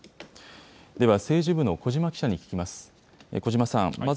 では、政治部の小嶋記者に聞きます。